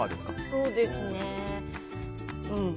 そうですね、うん。